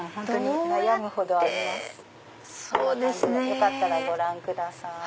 よかったらご覧ください。